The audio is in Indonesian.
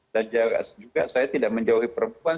dan juga saya tidak menjauhi perempuan